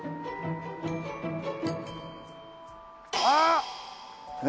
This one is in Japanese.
あっ！